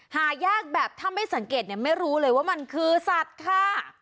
หายากแบบถ้าไม่สังเกตเนี่ยไม่รู้เลยว่ามันคือสัตว์ค่ะ